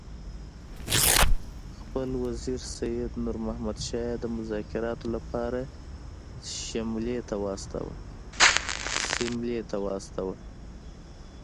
خپل وزیر سید نور محمد شاه یې د مذاکراتو لپاره سیملې ته واستاوه.